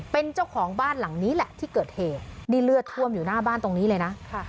เป็นเจ้าของบ้านหลังนี้แหละที่เกิดเหตุนี่เลือดท่วมอยู่หน้าบ้านตรงนี้เลยนะ